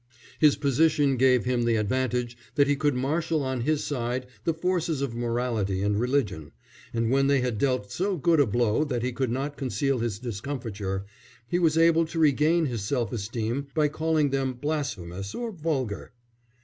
His position gave him the advantage that he could marshal on his side the forces of morality and religion; and when they had dealt so good a blow that he could not conceal his discomfiture, he was able to regain his self esteem by calling them blasphemous or vulgar.